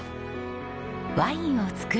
ワインを造ろう。